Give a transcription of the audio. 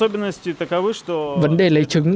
vấn đề lấy trứng để ấp dưỡng